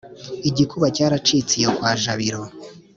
Igikuba cyiracitse iyo kwa Jabiro